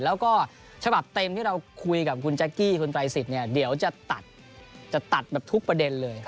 แล้วก็สภาพเต็มที่เราคุยกับคุณจักกี้คุณไตรซิตจะตัดทุกประเด็นเลย